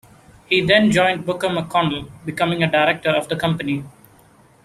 He then joined Booker McConnell, becoming a Director of the company.